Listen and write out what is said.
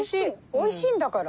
おいしいんだから。